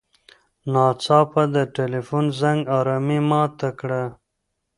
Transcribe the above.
ناڅاپه د تیلیفون زنګ ارامي ماته کړه.